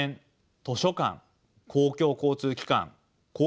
図書館公共交通機関公共放送